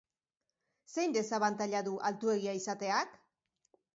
Zein desabantaila du altuegia izateak?